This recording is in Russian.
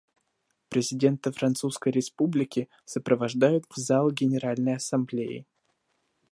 Президента Французской Республики сопровождают в зал Генеральной Ассамблеи.